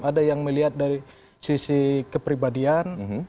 ada yang melihat dari sisi kepribadian